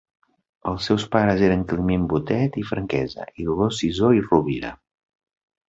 Els seus pares eren Climent Botet i Franquesa i Dolors Sisó i Rovira.